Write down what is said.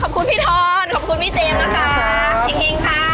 ขอบคุณพี่ทอนขอบคุณพี่เจมส์นะคะเฮ็งค่ะ